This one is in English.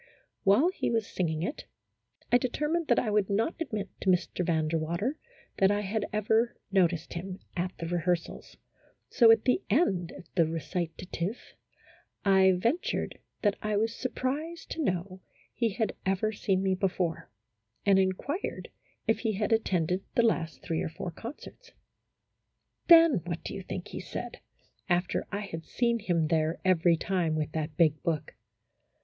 While he was singing it, I determined that I would not admit to Mr. Van der Water that I had ever noticed him at the rehearsals, so, at the end of the recitative, I ventured that I was surprised to know he had ever seen me before, and inquired if he had attended the last three or four concerts. Then what do you think he said (after I had seen him there every time with that big book)?